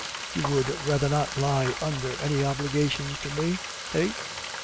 You would rather not lie under any obligation to me, eh?